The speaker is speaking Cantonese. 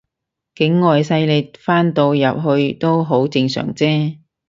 境外勢力翻到入去都好正常啫